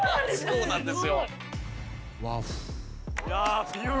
そうなんですよ。